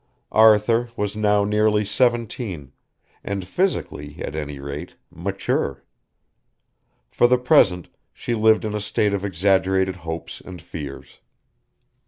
Arthur was now nearly seventeen, and physically, at any rate, mature. For the present she lived in a state of exaggerated hopes and fears.